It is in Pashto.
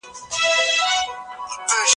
په وليمه کي ولي يوازې شتمن خلګ نه بايد راوبلل سي؟